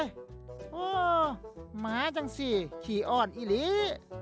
โอ้โหหมาจังสิขี่อ้อนอีหลี